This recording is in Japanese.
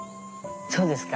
そうですか。